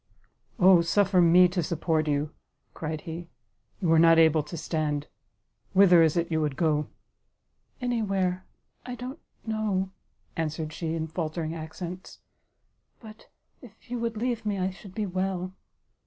"O suffer me to support you," cried he; "you are not able to stand, whither is it you would go?" "Any where, I don't know, " answered she, in faltering accents, "but if you would leave me, I should be well."